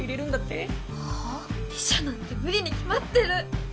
リシャなんて無理に決まってる！